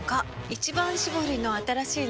「一番搾り」の新しいの？